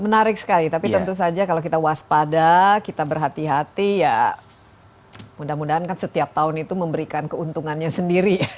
menarik sekali tapi tentu saja kalau kita waspada kita berhati hati ya mudah mudahan kan setiap tahun itu memberikan keuntungannya sendiri ya